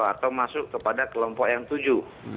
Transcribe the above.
atau masuk kepada kelompok yang tujuh